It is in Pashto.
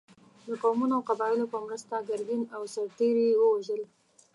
د قومونو او قبایلو په مرسته ګرګین او سرتېري یې ووژل.